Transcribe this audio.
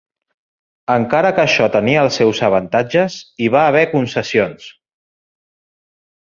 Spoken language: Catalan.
Encara que això tenia els seus avantatges, hi va haver concessions.